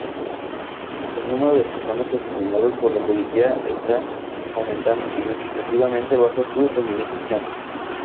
El número de personas asesinadas por la policía está aumentando significativamente bajo su administración.